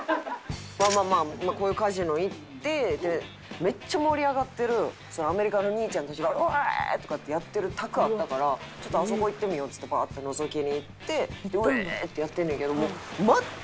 まあまあこういうカジノ行ってめっちゃ盛り上がってるアメリカの兄ちゃんたちが「ウエーイ！」とかってやってる卓あったからあそこ行ってみようっつってバーッてのぞきに行って「ウエーイ！」ってやってんねんけどもう。